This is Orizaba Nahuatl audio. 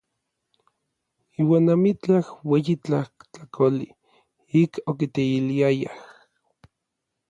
Iuan amitlaj ueyi tlajtlakoli ik okiteiliayaj.